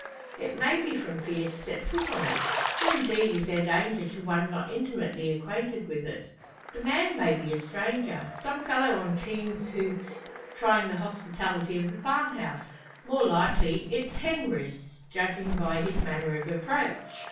It may be from fear to set foot on it; for indeed is there danger to one not intimately acquainted with it. The man may be a stranger some fellow on teams who intends trying the hospitality of the farmhouse more likely its henroosts, judging by his manner of approach?